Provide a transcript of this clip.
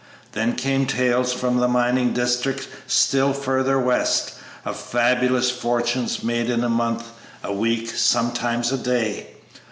Then came tales from a mining district still farther west, of fabulous fortunes made in a month, a week, sometimes a day.